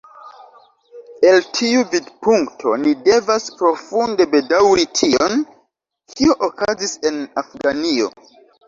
El tiu vidpunkto ni devas profunde bedaŭri tion, kio okazis en Afganio.